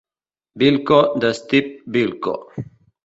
Bilko de Steve Bilko.